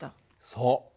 そう。